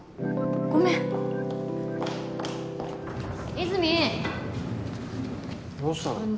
ごめん和泉どうしたの？